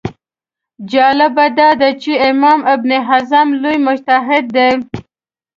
جالبه دا ده چې امام ابن حزم لوی مجتهد دی